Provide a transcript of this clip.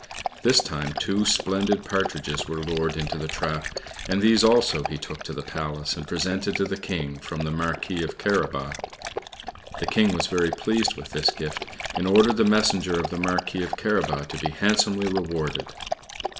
This time two splendid partridges were lured into the trap, and these also he took to the Palace and presented to the King from the Marquis of Carabas. The King was very pleased with this gift, and ordered the messenger of the Marquis of Carabas to be handsomely rewarded.